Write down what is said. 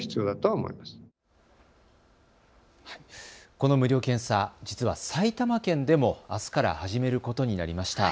この無料検査、実は埼玉県でもあすから始めることになりました。